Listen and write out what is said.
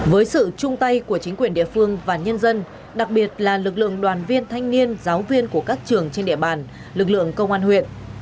với sự chung tay của chính quyền địa phương và nhân dân đặc biệt là lực lượng đoàn viên thanh niên giáo viên của các trường trên địa bàn lực lượng công an huyện